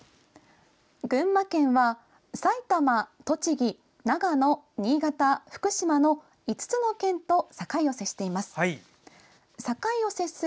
群馬県は、埼玉、栃木、長野新潟、福島の、５つの県と境を接しています。